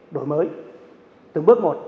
đổi mới từng bước một